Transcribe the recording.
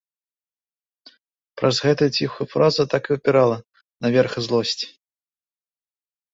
Праз гэтую ціхую фразу так і выпірала наверх злосць.